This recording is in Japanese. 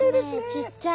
ちっちゃい。